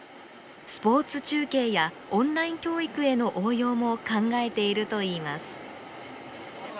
スポーツ中継やオンライン教育への応用も考えているといいます。